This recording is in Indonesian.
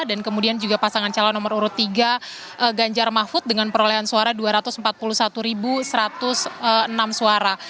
dan kemudian juga pasangan calon nomor urut tiga ganjar mahfud dengan perolehan suara dua ratus empat puluh satu satu ratus enam suara